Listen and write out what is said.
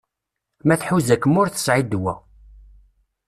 Ma tḥuza-kem ur tesɛi ddwa.